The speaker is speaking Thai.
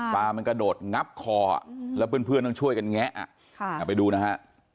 ปลามันกระโดดงับคอแล้วเพื่อนต้องช่วยกันแงะไปดูนะฮะ